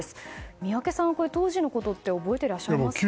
宮家さん、当時のことって覚えてらっしゃいますか。